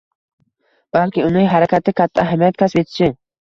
balki uning harakati katta ahamiyat kasb etishi